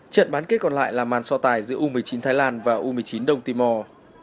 trận bán kết còn lại là màn so tài giữa u một mươi chín thái lan và u một mươi chín đông timor